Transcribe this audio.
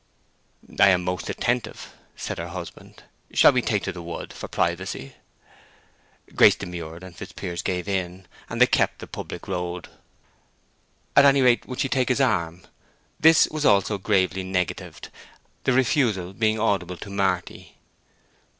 "I am most attentive," said her husband. "Shall we take to the wood for privacy?" Grace demurred, and Fitzpiers gave in, and they kept the public road. At any rate she would take his arm? This also was gravely negatived, the refusal being audible to Marty.